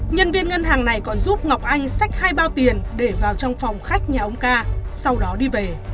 nhân viên ngân hàng này còn giúp ngọc anh sách hai bao tiền để vào trong phòng khách nhà ông ca sau đó đi về